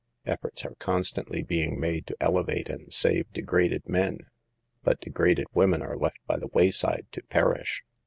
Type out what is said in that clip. Efforts are constantly being made to elevate and save degraded men, but degraded women are left by the wayside to perish.